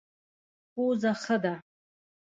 پوزه ښه ده.